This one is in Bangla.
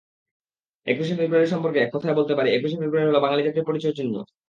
একুশে ফেব্রুয়ারি সম্পর্কে এককথায় বলতে পারি, একুশে ফেব্রুয়ারি হলো বাঙালি জাতির পরিচয়চিহ্ন।